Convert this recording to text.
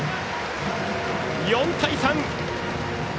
４対３。